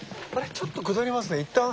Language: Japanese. ちょっと下りますね一旦。